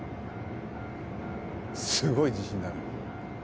すごい自信だね。